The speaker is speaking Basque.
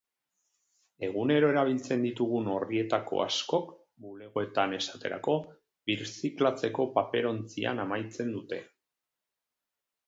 Egunero erabiltzen ditugun orrietako askok, bulegoetan esaterako, birziklatzeko paperontzian amaitzen dute.